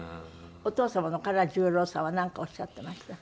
お父様の唐十郎さんはなんかおっしゃってました？